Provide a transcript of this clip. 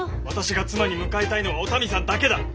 私が妻に迎えたいのはお民さんだけだ。